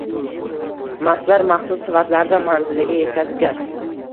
Mastlar maxsus savatlarda manziliga yetkazilgan.